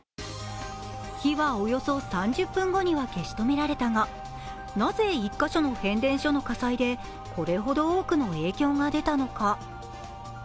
火はおよそ３０分後には消し止められたがなぜ１カ所の変電所の火災で、これほど多くの影響が出たのか？